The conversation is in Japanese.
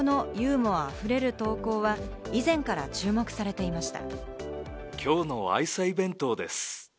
流ちょうな日本語のユーモアあふれる投稿は以前から注目されていました。